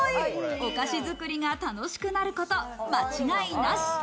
お菓子作りが楽しくなること間違いなし。